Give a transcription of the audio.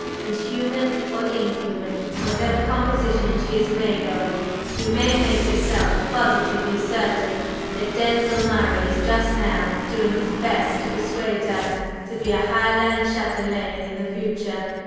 And human or inhuman, whatever composition she is made of, you may make yourself positively certain that Denzil Murray is just now doing his best to persuade her to be a Highland châtelaine in the future.